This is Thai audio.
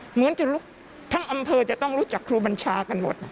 เหมือนจะลุกทั้งอำเภอจะต้องรู้จักครูบัญชากันหมด